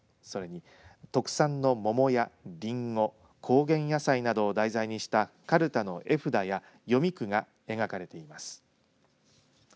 それに、特産の桃やりんご高原野菜などを題材にしたかるたの絵札や読み句が描かれています。